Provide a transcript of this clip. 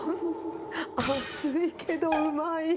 熱いけどうまい。